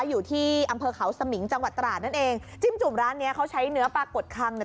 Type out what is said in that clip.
อยู่ที่อำเภอเขาสมิงจังหวัดตราดนั่นเองจิ้มจุ่มร้านเนี้ยเขาใช้เนื้อปลากดคังเนี่ย